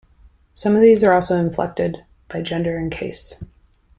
Some of these are also inflected by gender and case.